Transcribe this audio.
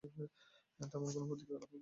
তেমন কোনো প্রতিক্রিয়া লক্ষ করা গেল না।